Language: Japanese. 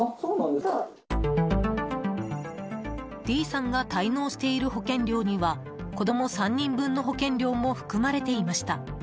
Ｄさんが滞納している保険料には子供３人分の保険料も含まれていました。